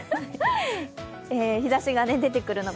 ひざしが出てくるのが